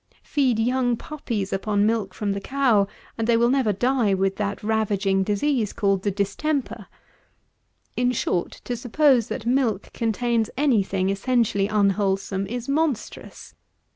Feed young puppies upon milk from the cow, and they will never die with that ravaging disease called "the distemper." In short, to suppose that milk contains any thing essentially unwholesome is monstrous.